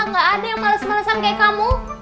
gak ada yang males malesan kayak kamu